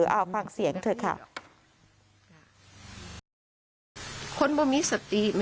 เอาฟังเสียงเถอะค่ะ